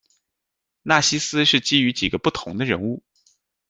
纳西斯是基于几个不同的人物。